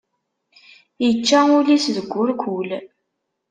Ičča ul-is deg urkul.